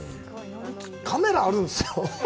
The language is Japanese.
カメラがあるんですよ。